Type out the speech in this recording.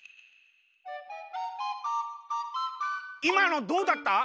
いまのどうだった？